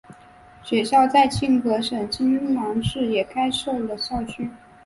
学院在庆和省金兰市也开设了校区。